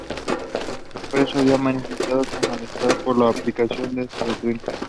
El preso había manifestado su malestar por la aplicación de esta doctrina.